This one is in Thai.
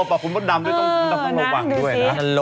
ว่าเปล่าคุณมดดำต้องระวังด้วยนะ